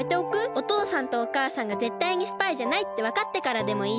おとうさんとおかあさんがぜったいにスパイじゃないってわかってからでもいいし。